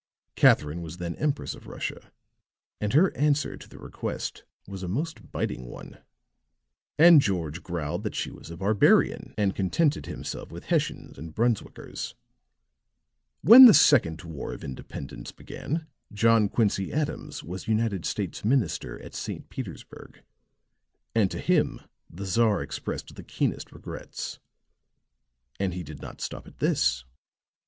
Catherine was then Empress of Russia; and her answer to the request was a most biting one. And George growled that she was a barbarian and contented himself with Hessians and Brunswickers. "When the second war of independence began, John Quincy Adams was United States Minister at St. Petersburg; and to him the Czar expressed the keenest regrets. And he did not stop at this.